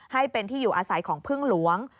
ให้เป็นที่อยู่อาศัยของพึ่งหลวง